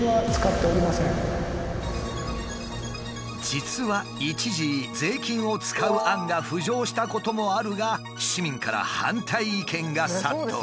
実は一時税金を使う案が浮上したこともあるが市民から反対意見が殺到。